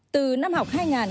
từ năm học hai nghìn hai mươi hai